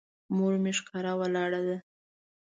مور مې ښکاره ولاړه ده.